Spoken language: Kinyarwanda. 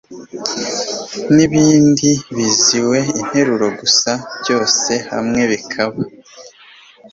n'ibindi biziwe interuro gusa byose hamwe bikaba